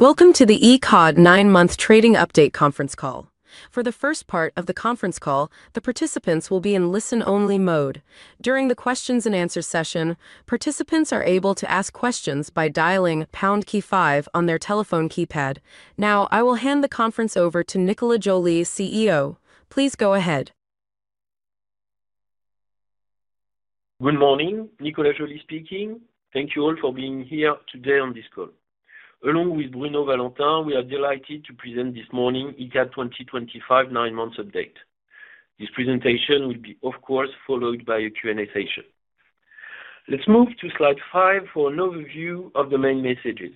Welcome to the Icade nine-month trading update conference call. For the first part of the conference call, the participants will be in listen-only mode. During the questions and answers session, participants are able to ask questions by dialing pound key five on their telephone keypad. Now, I will hand the conference over to Nicolas Joly, CEO. Please go ahead. Good morning. Nicolas Joly speaking. Thank you all for being here today on this call. Along with Bruno Valentin, we are delighted to present this morning Icade 2025 nine-month update. This presentation will be, of course, followed by a Q&A session. Let's move to slide five for an overview of the main messages.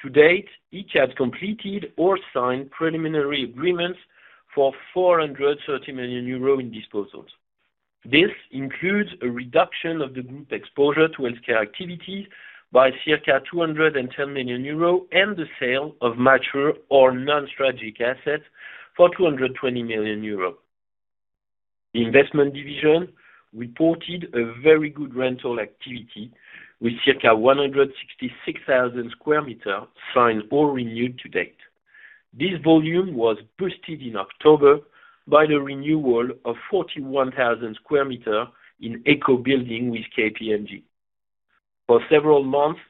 To date, Icade completed or signed preliminary agreements for 430 million euro in disposals. This includes a reduction of the group exposure to healthcare activities by circa 210 million euro and the sale of mature or non-strategic assets for 220 million euro. The Investment Division reported a very good rental activity with circa 166,000 sq m signed or renewed to date. This volume was boosted in October by the renewal of 41,000 sq m in EcoBuilding with KPMG. For several months,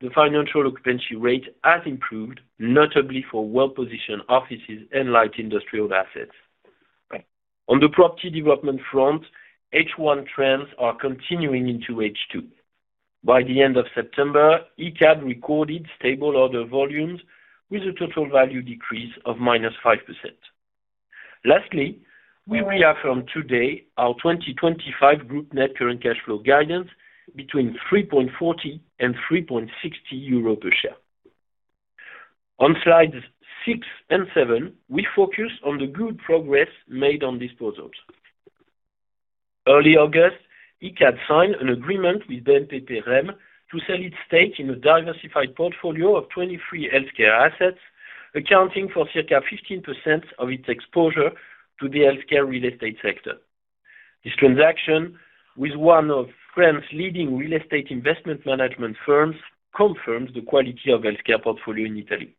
the Financial Occupancy Rate has improved, notably for well-positioned offices and light industrial assets. On the Property Development front, H1 trends are continuing into H2. By the end of September, Icade recorded stable order volumes with a total value decrease of -5%. Lastly, we reaffirmed today our 2025 group Net Current Cash Flow guidance between 3.40 and 3.60 euro per share. On slides six and seven, we focus on the good progress made on disposals. Early August, Icade signed an agreement with BNP Paribas to sell its stake in a diversified portfolio of 23 healthcare assets, accounting for circa 15% of its exposure to the healthcare real estate sector. This transaction, with one of France's leading real estate investment management firms, confirms the quality of the healthcare portfolio in Italy.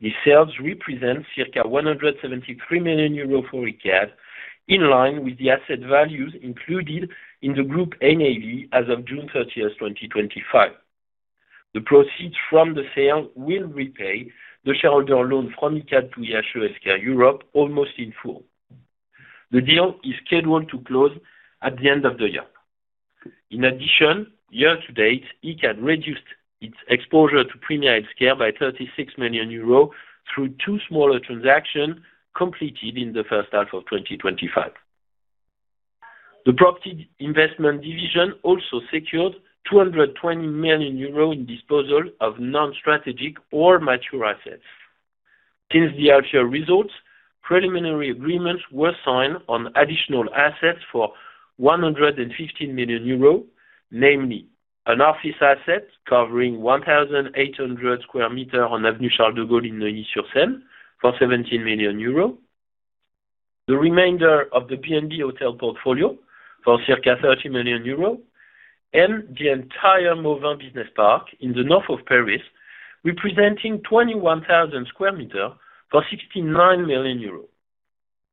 This sale represents circa 173 million euros for Icade, in line with the asset values included in Net Asset Value as of June 30, 2025. The proceeds from the sale will repay the shareholder loan from Icade to IHE Healthcare Europe almost in full. The deal is scheduled to close at the end of the year. In addition, year to date, Icade reduced its exposure to Premier Healthcare by 36 million euros through two smaller transactions completed in the first half of 2025. The Property Investment Division also secured 220 million euro in disposal of non-strategic or mature assets. Since the IHE results, preliminary agreements were signed on additional assets for 115 million euros, namely an office asset covering 1,800 sq m on Avenue Charles de Gaulle in Neuilly-sur-Seine for 17 million euros, the remainder of the BND Hotel portfolio for circa 30 million euros, and the entire Mauvin Business Park in the north of Paris, representing 21,000 sq m for 69 million euros.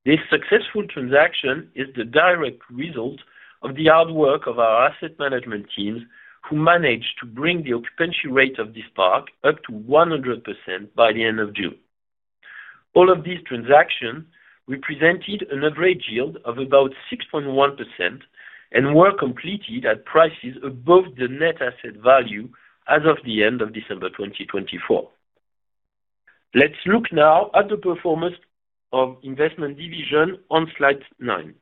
This successful transaction is the direct result of the hard work of our asset management teams who managed to bring the occupancy rate of this park up to 100% by the end of June. All of these transactions represented an average yield of about 6.1% and were completed at prices above the Net Asset Value as of the end of December 2024. Let's look now at the performance of the Investment Division on slide nine.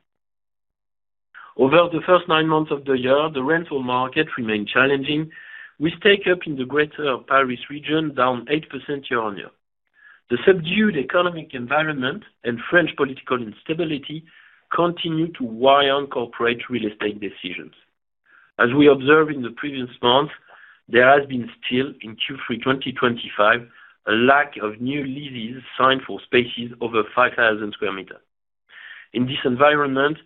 Over the first nine months of the year, the rental market remained challenging, with take-up in the Greater Paris region down 8% year on year. The subdued economic environment and French political instability continue to weigh on corporate real estate decisions. As we observed in the previous months, there has been still, in Q3 2025, a lack of new leases signed for spaces over 5,000 sq m. In this environment,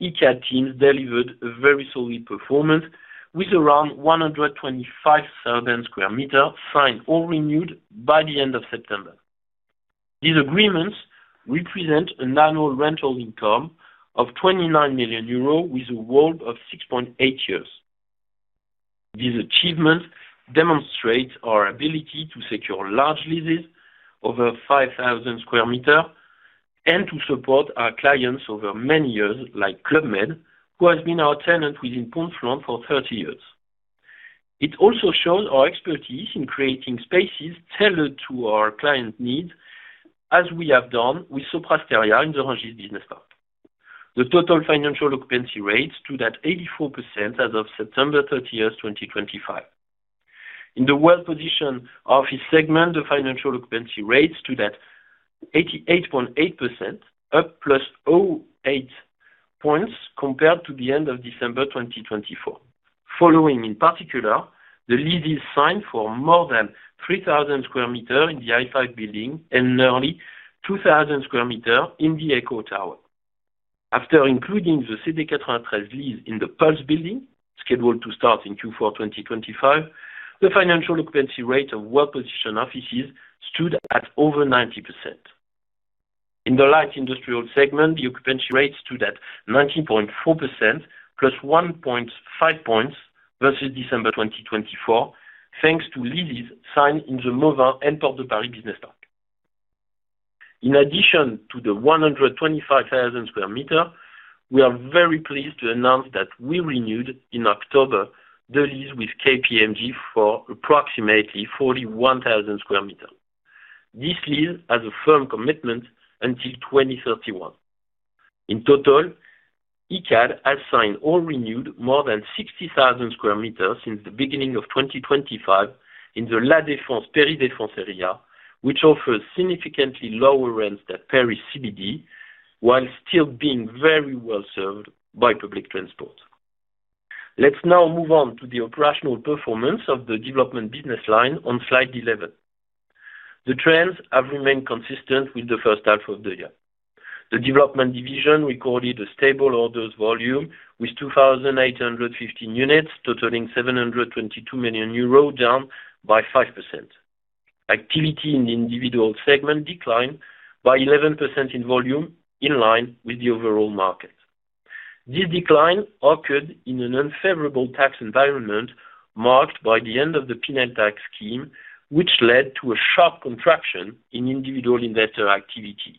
Icade teams delivered a very solid performance with around 125,000 sq m signed or renewed by the end of September. These agreements represent an annual rental income of 29 million euros with a whopping 6.8 years. These achievements demonstrate our ability to secure large leases over 5,000 sq m and to support our clients over many years, like Club Med, who has been our tenant within Pontfroid for 30 years. It also shows our expertise in creating spaces tailored to our clients' needs, as we have done with Sopra Steria in the Rungis Business Park. The total Financial Occupancy Rate stood at 84% as of September 30, 2025. In the well-positioned office segment, the Financial Occupancy Rate stood at 88.8%, up +0.08 points compared to the end of December 2024, following, in particular, the leases signed for more than 3,000 sq m in the Eiffel Building and nearly 2,000 sq m in the EcoBuilding. After including the CD413 lease in the Pulse building, scheduled to start in Q4 2025, the Financial Occupancy Rate of well-positioned offices stood at over 90%. In the light industrial segment, the occupancy rate stood at 19.4%, +1.5 points versus December 2024, thanks to leases signed in the Mauvin and Porte de Paris Business Park. In addition to the 125,000 sq m, we are very pleased to announce that we renewed in October the lease with KPMG for approximately 41,000 sq m. This lease has a firm commitment until 2031. In total, Icade has signed or renewed more than 60,000 sq m since the beginning of 2025 in the La Défense Paris Défense area, which offers significantly lower rents than Paris CBD, while still being very well served by public transport. Let's now move on to the operational performance of the development business line on slide 11. The trends have remained consistent with the first half of the year. The development division recorded a stable orders volume with 2,815 units, totaling 722 million euros, down by 5%. Activity in the individual segment declined by 11% in volume, in line with the overall market. This decline occurred in an unfavorable tax environment marked by the end of the Pinel tax scheme, which led to a sharp contraction in individual investor activity,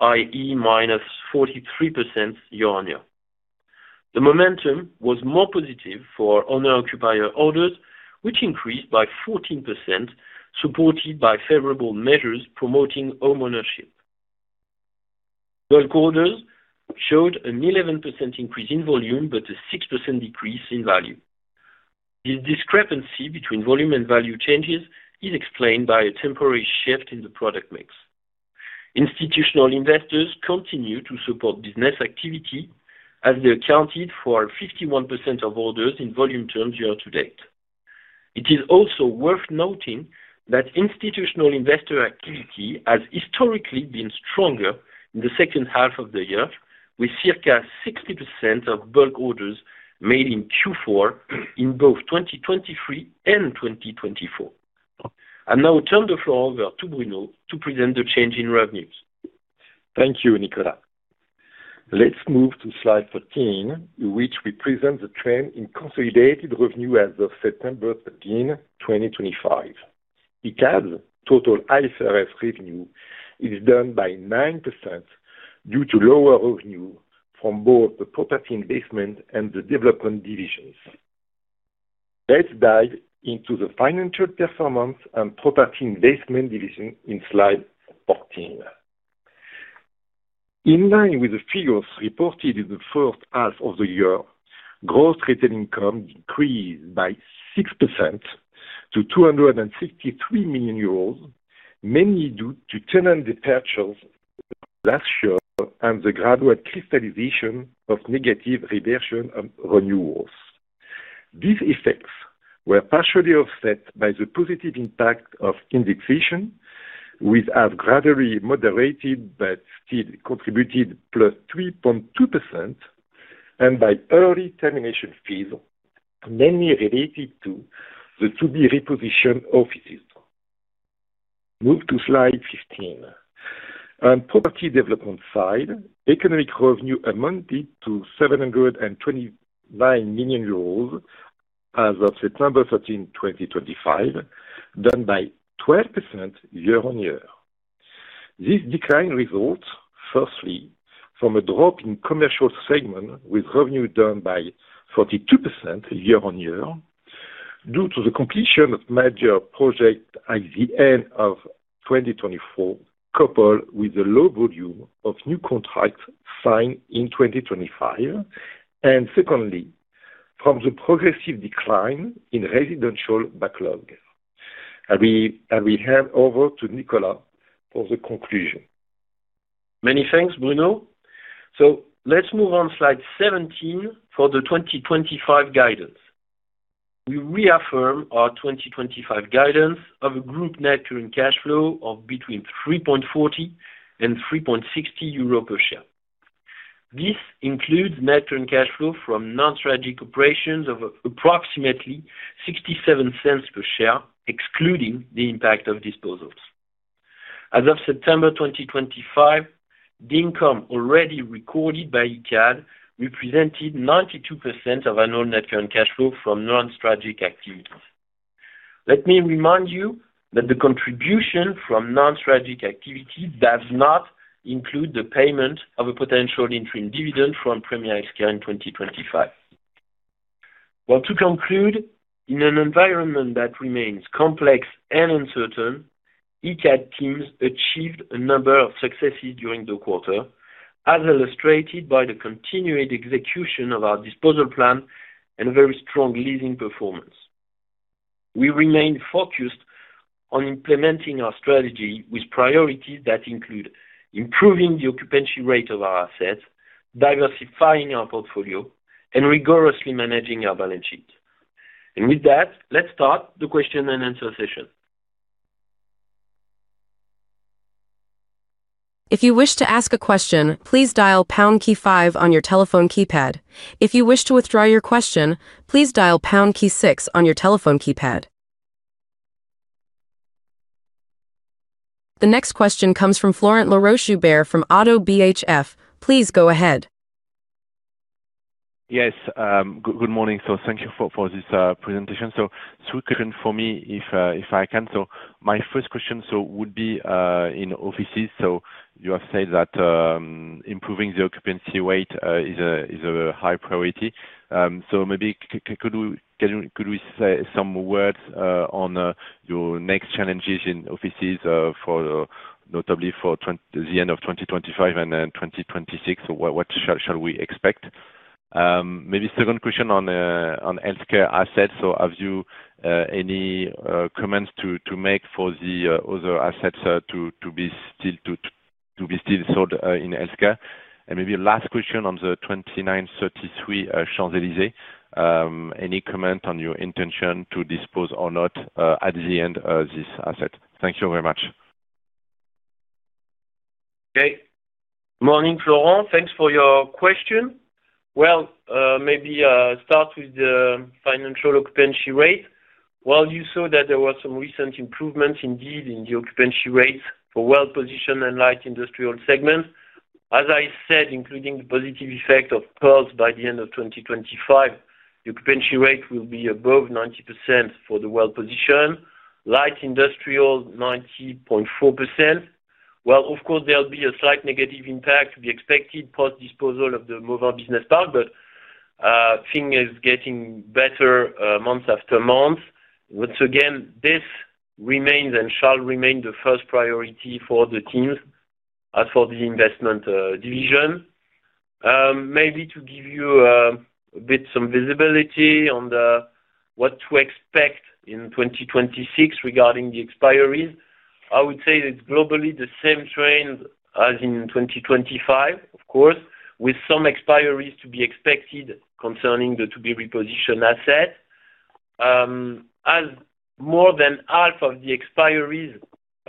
i.e., -43% year on year. The momentum was more positive for our Owner-Occupier Orders, which increased by 14%, supported by favorable measures promoting homeownership. Bulk Orders showed an 11% increase in volume, but a 6% decrease in value. This discrepancy between volume and value changes is explained by a temporary shift in the product mix. Institutional Investors continue to support business activity as they accounted for 51% of orders in volume terms year to date. It is also worth noting that institutional investor activity has historically been stronger in the second half of the year, with circa 60% of Bulk Orders made in Q4 in both 2023 and 2024. I'll now turn the floor over to Bruno to present the change in revenues. Thank you, Nicolas. Let's move to slide 14, in which we present the trend in consolidated revenue as of September 13, 2025. Icade's total IFRS Revenue is down by 9% due to lower revenue from both the property investment and the development divisions. Let's dive into the financial performance and property investment division in slide 14. In line with the figures reported in the first half of the year, gross rental income decreased by 6% to 263 million euros, mainly due to tenant departures last year and the gradual crystallization of negative reversion renewals. These effects were partially offset by the positive impact of Indexation, which has gradually moderated but still contributed +3.2%, and by early termination fees, mainly related to the to-be-repositioned offices. Move to slide 15. On the property development side, economic revenue amounted to 729 million euros as of September 13, 2025, down by 12% year on year. This decline results, firstly, from a drop in the commercial segment with revenue down by 42% year on year due to the completion of major projects at the end of 2024, coupled with the low volume of new contracts signed in 2025, and secondly, from the progressive decline in the residential backlog. I will hand over to Nicolas for the conclusion. Many thanks, Bruno. Let's move on to slide 17 for the 2025 guidance. We reaffirm our 2025 guidance of a group Net Current Cash Flow of between 3.40 and 3.60 euro per share. This includes Net Current Cash Flow from non-strategic operations of approximately 0.67 per share, excluding the impact of disposals. As of September 2025, the income already recorded by Icade represented 92% of annual Net Current Cash Flow from non-strategic activities. Let me remind you that the contribution from non-strategic activity does not include the payment of a potential interim dividend from Premier Healthcare in 2025. In an environment that remains complex and uncertain, Icade teams achieved a number of successes during the quarter, as illustrated by the continued execution of our disposal plan and a very strong leasing performance. We remain focused on implementing our strategy with priorities that include improving the occupancy rate of our assets, diversifying our portfolio, and rigorously managing our balance sheet. With that, let's start the question-and-answer session. If you wish to ask a question, please dial pound key five on your telephone keypad. If you wish to withdraw your question, please dial pound key six on your telephone keypad. The next question comes from Florent Oddo BHF Corporate & Markets. please go ahead. Yes. Good morning. Thank you for this presentation. Three questions for me if I can. My first question would be in offices. You have said that improving the occupancy rate is a high priority. Could we say some words on your next challenges in offices, notably for the end of 2025 and 2026? What shall we expect? My second question on healthcare assets. Have you any comments to make for the other assets to be still sold in healthcare? My last question on the 2933 Champs-Élysées. Any comment on your intention to dispose or not at the end of this asset? Thank you very much. Okay. Morning, Florent. Thanks for your question. Maybe I'll start with the Financial Occupancy Rate. You saw that there were some recent improvements, indeed, in the occupancy rates for well-positioned and light industrial segments. As I said, including the positive effect of Pulse, by the end of 2025, the occupancy rate will be above 90% for the well-positioned. Light industrial, 90.4%. Of course, there'll be a slight negative impact to be expected post-disposal of the Mauvin Business Park, but things are getting better month after month. Once again, this remains and shall remain the first priority for the teams as for the Investment Division. Maybe to give you a bit of some visibility on what to expect in 2026 regarding the expires, I would say it's globally the same trend as in 2025, with some expires to be expected concerning the to-be-repositioned assets. As more than half of the expires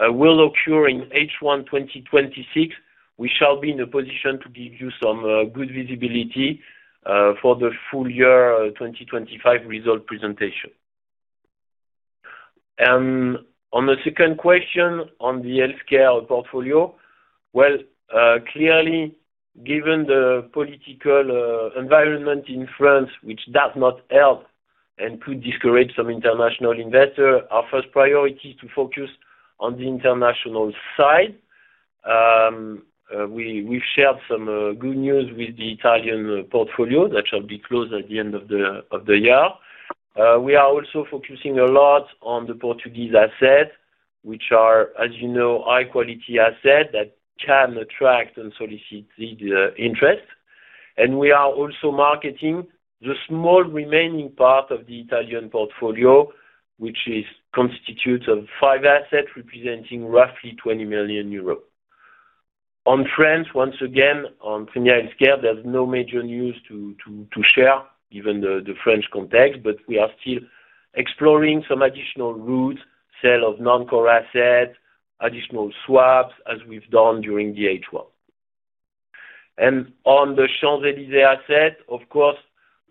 will occur in H1 2026, we shall be in a position to give you some good visibility for the full year 2025 result presentation. On the second question on the healthcare portfolio, clearly, given the political environment in France, which does not help and could discourage some international investors, our first priority is to focus on the international side. We've shared some good news with the Italian portfolio that shall be closed at the end of the year. We are also focusing a lot on the Portuguese assets, which are, as you know, high-quality assets that can attract and solicit the interest. We are also marketing the small remaining part of the Italian portfolio, which constitutes five assets representing roughly 20 million euros. On France, once again, on Premier Healthcare, there's no major news to share, given the French context, but we are still exploring some additional routes, sale of non-core assets, additional swaps, as we've done during the H1. On the Champs-Élysées asset, of course,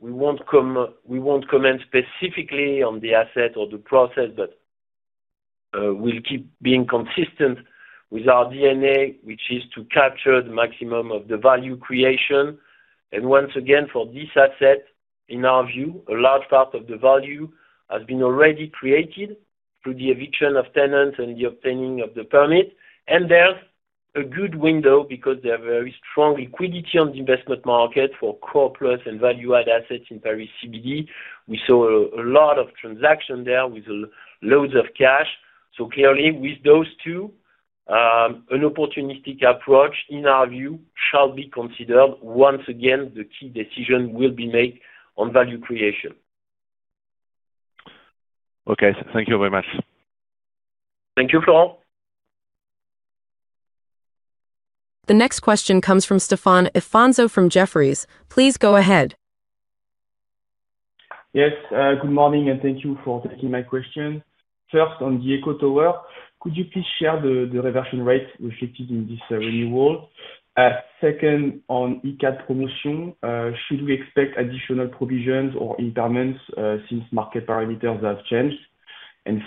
we won't comment specifically on the asset or the process, but we'll keep being consistent with our DNA, which is to capture the maximum of the value creation. Once again, for this asset, in our view, a large part of the value has been already created through the eviction of tenants and the obtaining of the permit. There's a good window because there's very strong liquidity on the investment market for core plus and value-add assets in Paris CBD. We saw a lot of transactions there with loads of cash. Clearly, with those two, an opportunistic approach, in our view, shall be considered. Once again, the key decision will be made on value creation. Okay, thank you very much. Thank you, Florent. The next question comes from Stefan Afonso from Jefferies LLC. Please go ahead. Yes. Good morning, and thank you for taking my question. First, on the EcoBuilding, could you please share the reversion rate reflected in this renewal? Second, on Icade Promotion, should we expect additional provisions or impairments since market parameters have changed?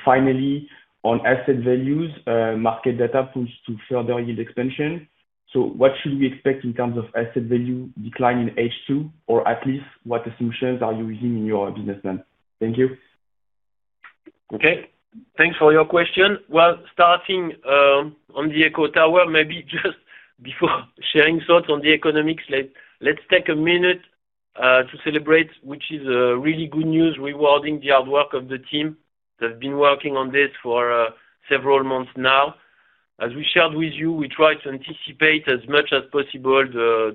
Finally, on asset values, market data points to further yield expansion. What should we expect in terms of asset value decline in H2, or at least what assumptions are you using in your business plan? Thank you. Okay. Thanks for your question. Starting on the EcoBuilding, maybe just before sharing thoughts on the economics, let's take a minute to celebrate, which is really good news, rewarding the hard work of the team that has been working on this for several months now. As we shared with you, we tried to anticipate as much as possible the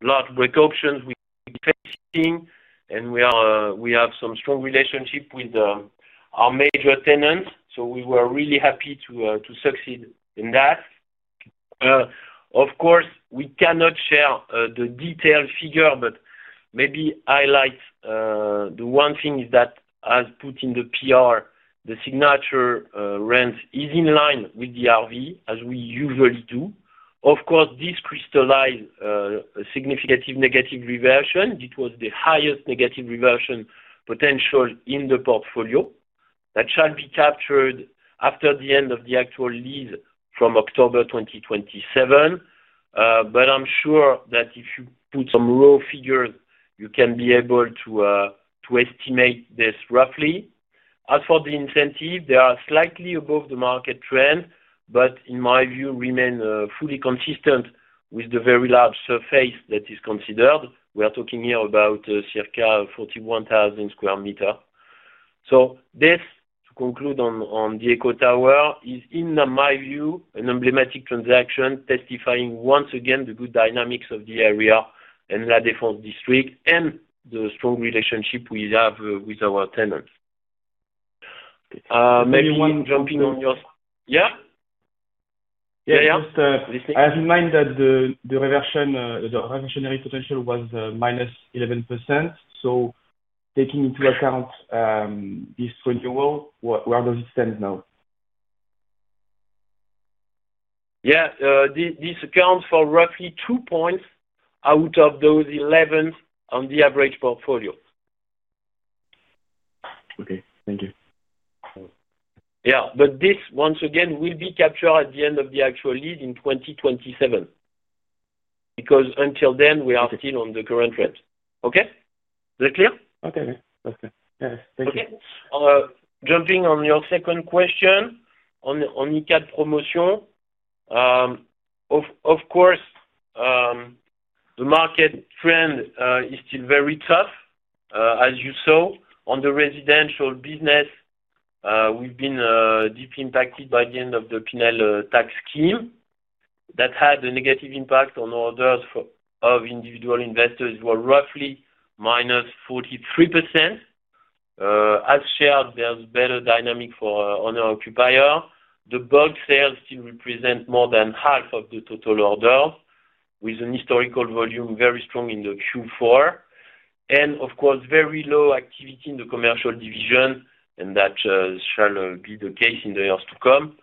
large break options we're facing, and we have some strong relationships with our major tenants, so we were really happy to succeed in that. Of course, we cannot share the detailed figure, but maybe highlight the one thing is that, as put in the PR, the signature rent is in line with the RV, as we usually do. This crystallized a significant negative reversion. It was the highest negative reversion potential in the portfolio. That shall be captured after the end of the actual lease from October 2027. I'm sure that if you put some raw figures, you can be able to estimate this roughly. As for the incentive, they are slightly above the market trend, but in my view, remain fully consistent with the very large surface that is considered. We are talking here about circa 41,000 sq m. To conclude on the EcoBuilding, this is, in my view, an emblematic transaction, testifying once again to the good dynamics of the area and La Défense district and the strong relationship we have with our tenants. Maybe jumping on your side. Yeah? Yeah, yeah. I have in mind that the reversionary potential was -11%. Taking into account this renewal, where does it stand now? Yeah, this accounts for roughly 2 points out of those 11 on the average portfolio. Okay. Thank you. Yeah, this, once again, will be captured at the end of the actual lease in 2027 because until then, we are still on the current rent. Okay? Is that clear? Okay. Okay. That's clear. Yeah, thank you. Okay. Jumping on your second question on Icade Promotion. Of course, the market trend is still very tough. As you saw, on the residential business, we've been deeply impacted by the end of the Pinel tax scheme that had a negative impact on orders of individual investors who were roughly -43%. As shared, there's a better dynamic for our owner-occupier. The bulk sales still represent more than half of the total orders, with a historical volume very strong in Q4. There is very low activity in the commercial division, and that shall be the case in the years to come.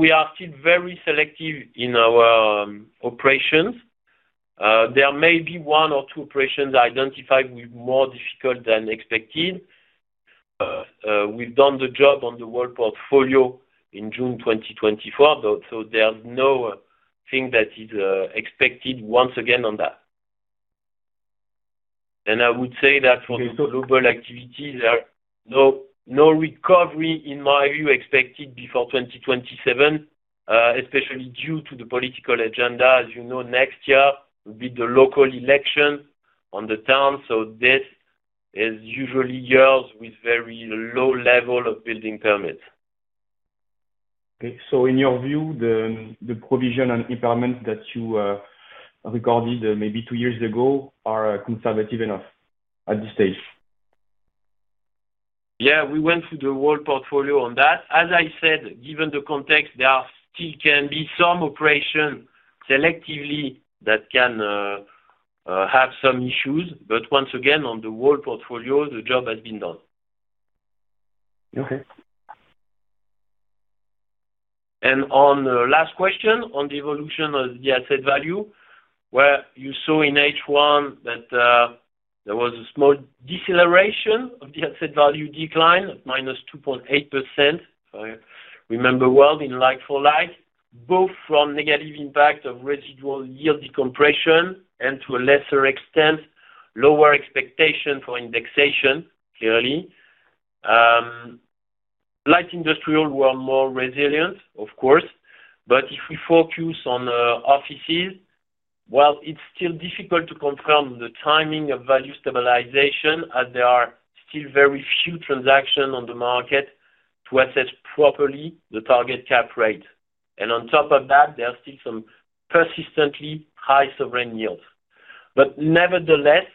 We are still very selective in our operations. There may be one or two operations identified with more difficulty than expected. We've done the job on the whole portfolio in June 2024, so there's nothing that is expected once again on that. I would say that for the global activities, there's no recovery, in my view, expected before 2027, especially due to the political agenda. As you know, next year will be the local election on the town, so this is usually years with very low level of building permits. Okay. In your view, the provision and impairments that you recorded maybe two years ago are conservative enough at this stage? Yeah. We went through the whole portfolio on that. As I said, given the context, there still can be some operations selectively that can have some issues. Once again, on the whole portfolio, the job has been done. Okay. On the last question, on the evolution of the asset value, you saw in H1 that there was a small deceleration of the asset value decline of -2.8%. I remember in LFL, both from negative impact of residual yield decompression and to a lesser extent, lower expectation for Indexation, clearly. Light industrial were more resilient, of course. If we focus on offices, it's still difficult to confirm the timing of value stabilization as there are still very few transactions on the market to assess properly the target cap rate. On top of that, there are still some persistently high sovereign yields. Nevertheless,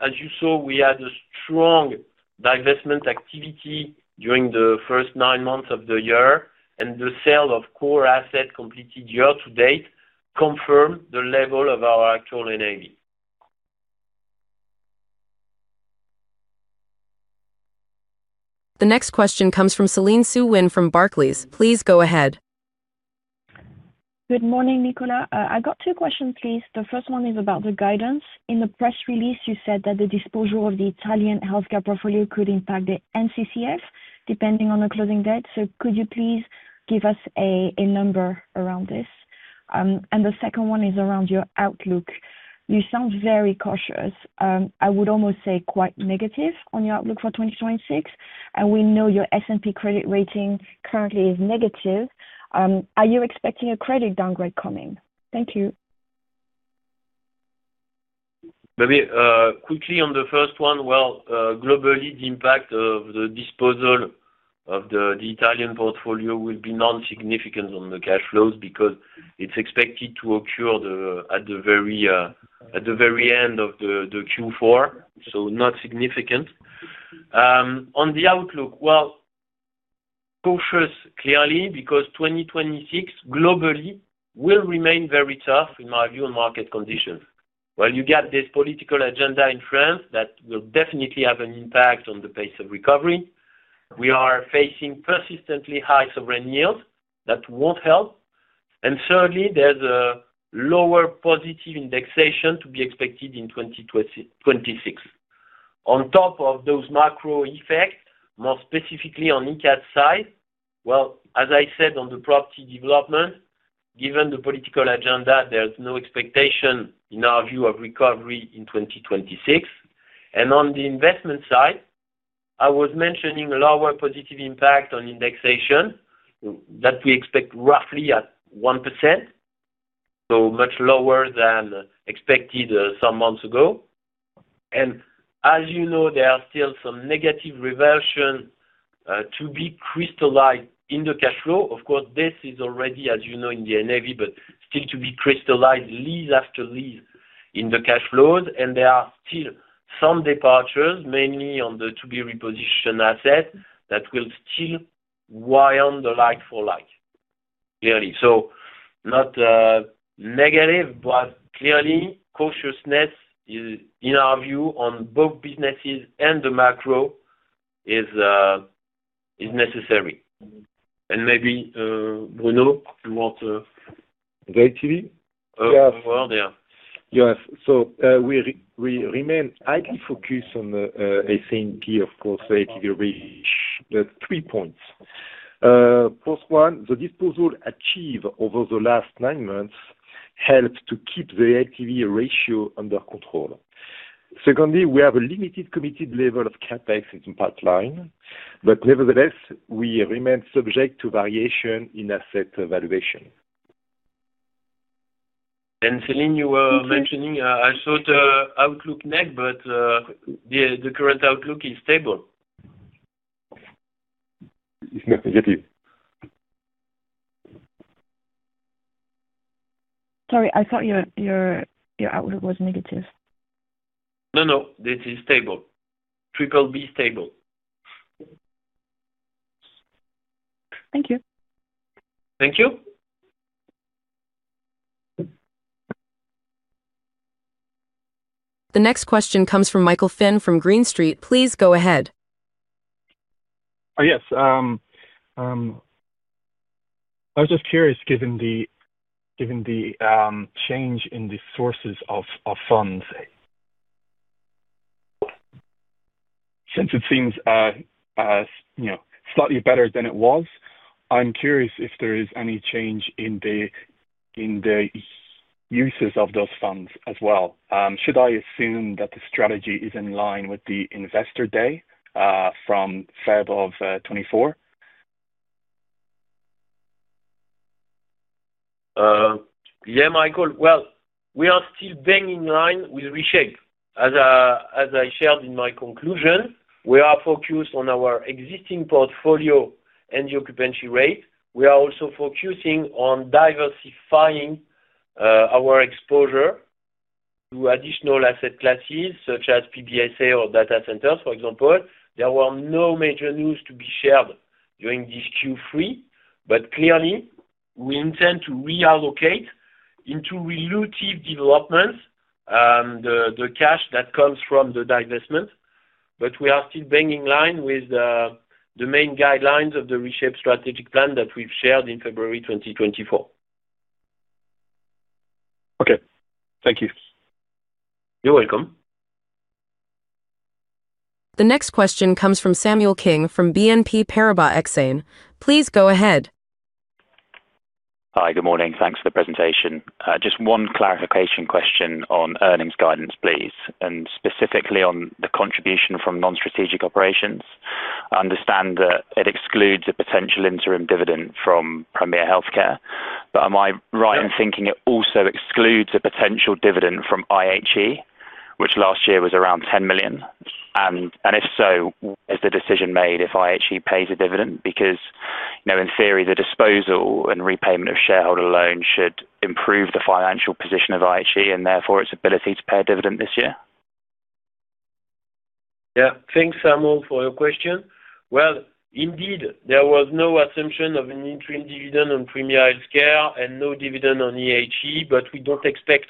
as you saw, we had a strong divestment activity during the first nine months of the year, and the sale of core assets completed year to date confirmed the level of our actual NAV. The next question comes from Céline Soo-Huynh from Barclays. Please go ahead. Good morning, Nicolas. I got two questions, please. The first one is about the guidance. In the press release, you said that the disposal of the Italian healthcare portfolio could impact the NCCF depending on the closing date. Could you please give us a number around this? The second one is around your outlook. You sound very cautious. I would almost say quite negative on your outlook for 2026. We know your S&P credit rating currently is negative. Are you expecting a credit downgrade coming? Thank you. Maybe quickly on the first one. Globally, the impact of the disposal of the Italian portfolio will be non-significant on the cash flows because it's expected to occur at the very end of Q4, not significant. On the outlook, cautious, clearly, because 2026 globally will remain very tough, in my view, on market conditions. You get this political agenda in France that will definitely have an impact on the pace of recovery. We are facing persistently high sovereign yields. That won't help. Thirdly, there's a lower positive Indexation to be expected in 2026. On top of those macro effects, more specifically on Icade side, as I said, on the property development, given the political agenda, there's no expectation, in our view, of recovery in 2026. On the investment side, I was mentioning a lower positive impact on Indexation that we expect roughly at 1%, much lower than expected some months ago. As you know, there are still some negative reversions to be crystallized in the cash flow. Of course, this is already, as you know, Net Asset Value, but still to be crystallized lease after lease in the cash flows. There are still some departures, mainly on the to-be-repositioned assets, that will still wire on the LFL, clearly. Not negative, but clearly, cautiousness is, in our view, on both businesses and the macro is necessary. Maybe, Bruno, you want to? Yes. Go ahead, Sylvie. Yes. Go ahead. We remain highly focused on the S&P, of course, LTV ratio. That's three points. First, the disposals achieved over the last nine months help to keep the LTV ratio under control. Secondly, we have a limited committed level of CapEx in the pipeline, but nevertheless, we remain subject to variation in asset valuation. Celine, you were mentioning, I saw the outlook negative, but the current outlook is stable. It's not negative. Sorry, I thought your outlook was negative. No, no. This is stable. Triple B stable. Thank you. Thank you. The next question comes from Michael Finn from Green Street Advisors LLC. Please go ahead. Yes, I was just curious, given the change in the sources of funds, since it seems slightly better than it was, I'm curious if there is any change in the uses of those funds as well. Should I assume that the strategy is in line with the investor day, from February of 2024? Yeah, Michael. We are still being in line with reshape. As I shared in my conclusion, we are focused on our existing portfolio and the occupancy rate. We are also focusing on diversifying our exposure to additional asset classes, such as PBSA or data centers, for example. There were no major news to be shared during this Q3, but clearly, we intend to reallocate into relative developments, the cash that comes from the divestment. We are still being in line with the main guidelines of the reshaped strategic plan that we've shared in February 2024. Okay. Thank you. You're welcome. The next question comes from Samuel King from BNP Paribas. Please go ahead. Hi. Good morning. Thanks for the presentation. Just one clarification question on earnings guidance, please, and specifically on the contribution from non-strategic operations. I understand that it excludes a potential interim dividend from Premier Healthcare, but am I right in thinking it also excludes a potential dividend from IHE Healthcare Europe, which last year was around 10 million? If so, is the decision made if IHE Healthcare Europe pays a dividend? Because, in theory, the disposal and repayment of shareholder loans should improve the financial position of IHE Healthcare Europe and therefore its ability to pay a dividend this year. Thank you, Samuel, for your question. There was no assumption of an interim dividend on Premier Healthcare and no dividend on IHE Healthcare Europe, but we don't expect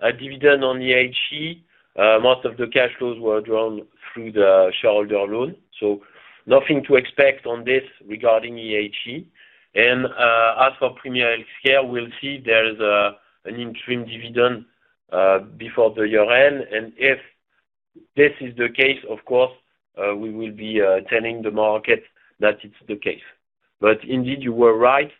a dividend on IHE Healthcare Europe. Most of the cash flows were drawn through the shareholder loan, so nothing to expect on this regarding IHE Healthcare Europe. As for Premier Healthcare, we'll see if there is an interim dividend before the year-end. If this is the case, of course, we will be telling the market that it's the case. You were right.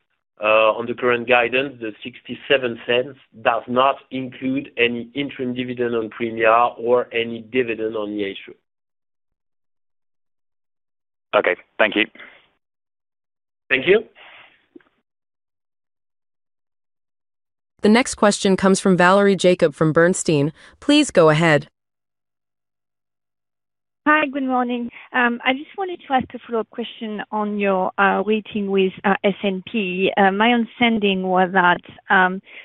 On the current guidance, the $0.67 does not include any interim dividend on Premier Healthcare or any dividend on IHE Healthcare Europe. Okay, thank you. Thank you. The next question comes from Valerie Jacob (Guezi) from Sanford C. Bernstein & Co. LLC. Please go ahead. Hi. Good morning. I just wanted to ask a follow-up question on your rating with S&P. My understanding was that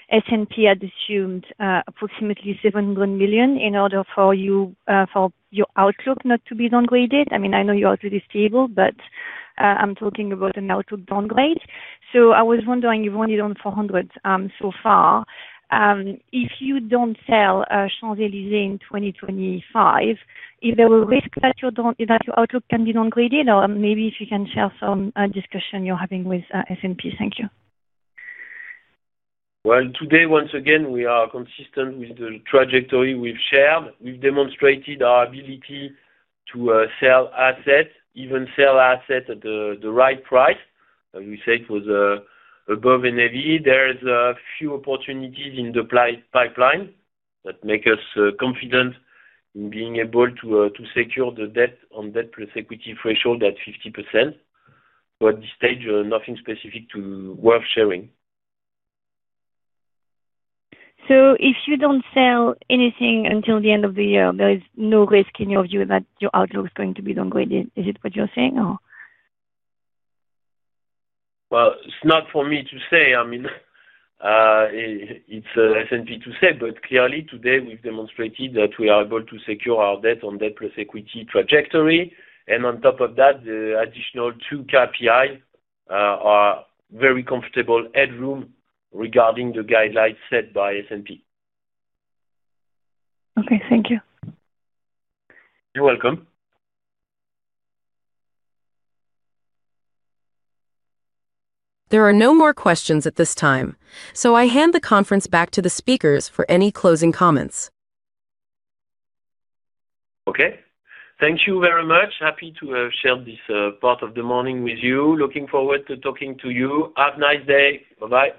S&P had assumed approximately 700 million in order for your outlook not to be downgraded. I mean, I know you are pretty stable, but I'm talking about an outlook downgrade. I was wondering, you've only done 400 million so far. If you don't sell Champs-Élysées in 2025, is there a risk that your outlook can be downgraded? Maybe if you can share some discussion you're having with S&P. Thank you. Today, once again, we are consistent with the trajectory we've shared. We've demonstrated our ability to sell assets, even sell assets at the right price. As we said, above Net Asset Value. there are a few opportunities in the pipeline that make us confident in being able to secure the debt on debt plus equity threshold at 50%. At this stage, nothing specific is worth sharing. If you don't sell anything until the end of the year, there is no risk in your view that your outlook is going to be downgraded. Is it what you're saying, or? It's not for me to say. I mean, it's S&P to say. Clearly, today, we've demonstrated that we are able to secure our debt on debt plus equity trajectory. On top of that, the additional two KPIs are very comfortable headroom regarding the guidelines set by S&P. Okay, thank you. You're welcome. There are no more questions at this time. I hand the conference back to the speakers for any closing comments. Okay. Thank you very much. Happy to have shared this part of the morning with you. Looking forward to talking to you. Have a nice day. Bye-bye.